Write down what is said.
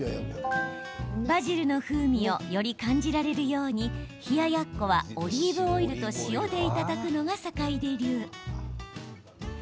バジルの風味をより感じられるように冷ややっこは、オリーブオイルと塩でいただくのが坂出流。